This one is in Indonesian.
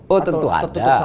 oh tentu ada